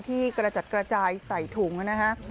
กระจัดกระจายใส่ถุงนะฮะ